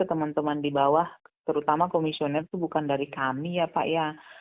teman teman di bawah terutama komisioner itu bukan dari kami ya pak ya